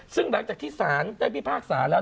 ซึ่งหลังจากที่สารได้พิพากษาแล้ว